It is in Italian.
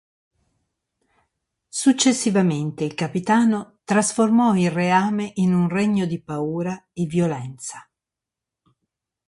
Successivamente il Capitano trasformò il reame in un regno di paura e violenza.